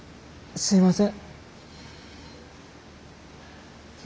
すいません。